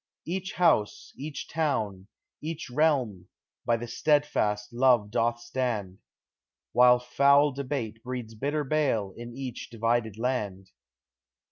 Each house, each town, each realm, by thy stead fast love doth stand ; While foul debate breeds bitter bale in each di vided land.